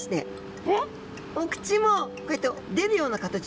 お口もこうやって出るような形で。